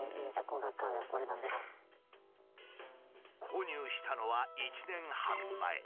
購入したのは１年半前。